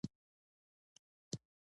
زه د خلکو غیبت نه کوم.